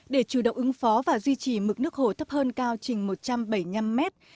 để chủ động ứng phó và duy trì mực nước hồ thấp hơn cao trình một trăm bảy mươi năm mét